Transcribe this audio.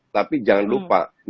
tapi jangan lupa